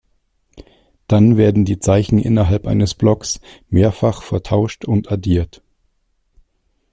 Dann werden die Zeichen innerhalb eines Blocks mehrfach vertauscht und addiert.